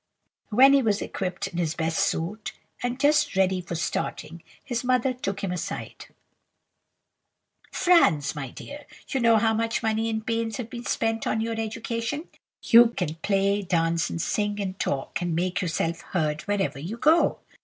When he was equipped in his best suit, and just ready for starting, his mother took him aside. "'Franz, my dear,' she said, 'you know how much money and pains have been spent on your education. You can play, and dance, and sing, and talk, and make yourself heard wherever you go.